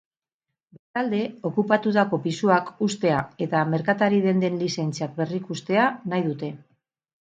Bestalde, okupatutako pisuak hustea eta merkatari denden lizentziak berrikustea nahi dute.